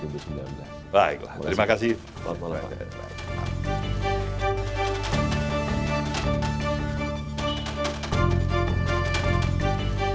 baiklah terima kasih